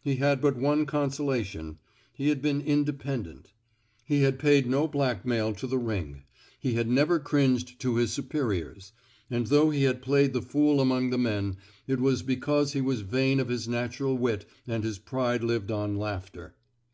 He had but one consolation; he had been independent. He had paid no blackmail to the ring; he had never cringed to his supe riors ; and though he had played the fool x among the men, it was because he was vain of his natural wit and his pride lived on laughter.